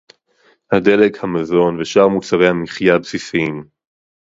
הדלק, המזון ושאר מוצרי המחיה הבסיסיים